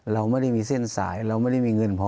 เราไม่ได้มีเส้นสายเราไม่ได้มีเงินพอ